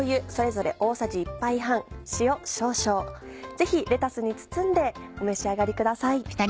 ぜひレタスに包んでお召し上がりください。